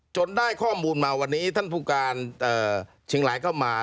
ได้ข้อมูลมาวันนี้ท่านผู้การเชียงรายเข้ามา